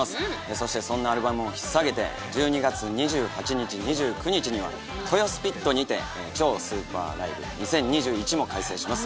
そしてそんなアルバムを引っ提げて１２月２８日２９日には豊洲ＰＩＴにて超ＳＵＰＥＲＬＩＶＥ２０２１も開催します。